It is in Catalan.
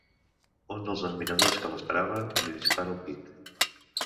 Un dels admiradors que l'esperaven li dispara al pit.